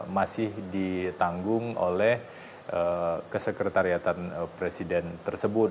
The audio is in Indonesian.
masih ditanggung oleh kesekretariatan presiden tersebut